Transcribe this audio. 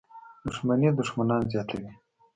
• دښمني دښمنان زیاتوي.